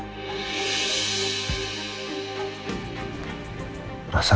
ada pertama kali itu